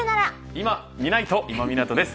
いまみないと今湊です。